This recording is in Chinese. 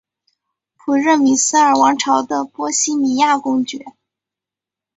普热米斯尔王朝的波希米亚公爵。